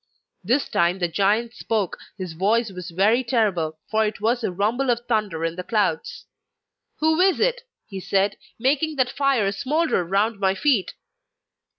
This time the giant spoke; his voice was very terrible, for it was the rumble of thunder in the clouds. 'Who is it,' he said, 'making that fire smoulder around my feet?